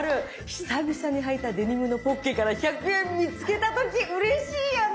久々にはいたデニムのポッケから１００円見つけた時うれしいよね。